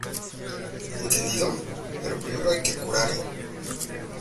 ¿ entendido? pero primero hay que curarlo.